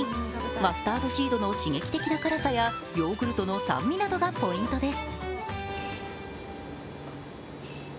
マスタードシードの刺激的な辛さやヨーグルトの酸味などがポイントです。